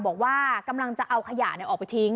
บอกว่ากำลังจะเอาขยะออกไปทิ้ง